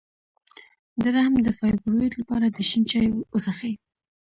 د رحم د فایبرویډ لپاره د شین چای وڅښئ